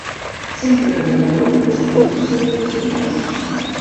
Centre de Badalona busca professora de xinès.